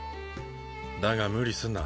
だが無理すんな。